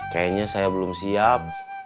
kayaknya saya belum siap